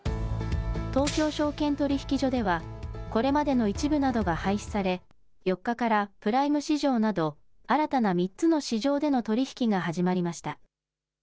東京証券取引所では、これまでの１部などが廃止され、４日からプライム市場など、新たな３つの市場での取り引きが始まりました。